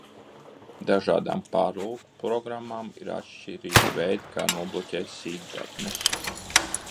Dažādām pārlūkprogrammām ir atšķirīgi veidi, kā nobloķēt sīkdatnes.